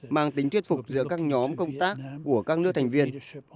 mang tính thuyết phục giữa các nhóm công tác của các nước thành viên